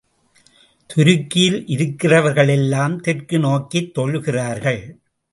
துருக்கியில் இருக்கிறவர்களெல்லாம் தெற்கு நோக்கித் தொழுகிறார்கள்.